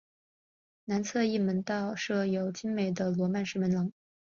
南侧翼门道设有精美的罗曼式门廊。